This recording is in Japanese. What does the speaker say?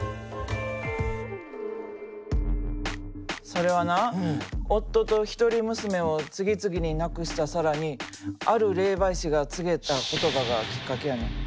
それはな夫と一人娘を次々に亡くしたサラにある霊媒師が告げた言葉がきっかけやねん。